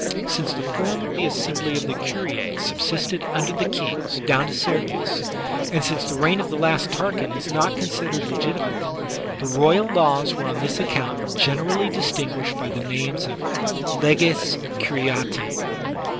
Since the form of the assembly of the curia subsisted xmder the kings down to Servius, and since the reign of the last Tarquin is not considered legitimate, the royal laws were on this account generally distinguished by the name of leges curiatce.